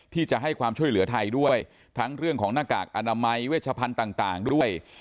ที่จะให้ความช่วยเหลือไทยด้วยทั้งเรื่องของหน้ากากอนามัยเวชพันธุ์ต่างด้วย